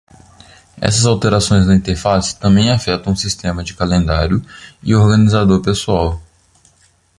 Essas alterações na interface também afetam o sistema de calendário e o organizador pessoal.